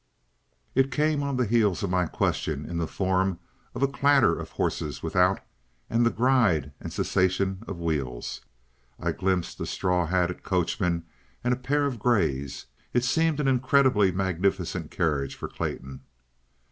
It came on the heels of my question in the form of a clatter of horses without, and the gride and cessation of wheels. I glimpsed a straw hatted coachman and a pair of grays. It seemed an incredibly magnificent carriage for Clayton.